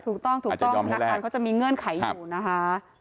ถูกต้องถูกต้องธนาคารเขาจะมีเงื่อนไขอยู่นะคะ